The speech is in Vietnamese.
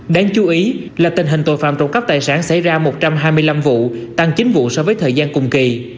đáng chú ý là tình hình tội phạm trộm cắp tài sản xảy ra một trăm hai mươi năm vụ tăng chín vụ so với thời gian cùng kỳ